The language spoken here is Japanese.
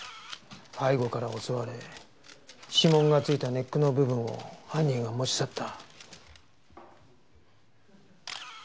背後から襲われ指紋がついたネックの部分を犯人が持ち去った。